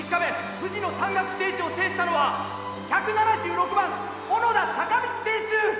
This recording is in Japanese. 富士の山岳ステージを制したのは１７６番小野田坂道選手！」。